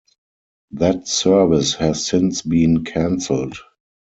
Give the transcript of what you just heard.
That service has since been cancelled.